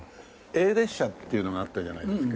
『Ａ列車』っていうのがあったじゃないですか